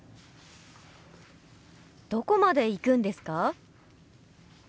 どこまで行くんですか？